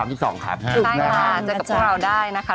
ได้ค่ะเจอกับพวกเราได้นะคะ